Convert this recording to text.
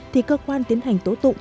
thì cơ quan tiến hành tố tụ